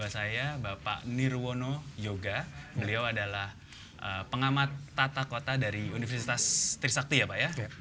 saya bapak nirwono yoga beliau adalah pengamat tata kota dari universitas trisakti ya pak ya